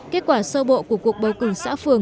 kết quả sơ bộ của cuộc bầu cử xã phường